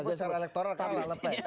maksudnya secara elektoral kalah le pen